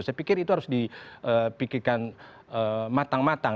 saya pikir itu harus dipikirkan matang matang